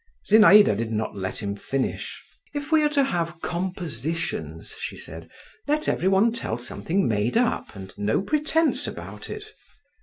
Zinaïda did not let him finish. "If we are to have compositions," she said, "let every one tell something made up, and no pretence about it."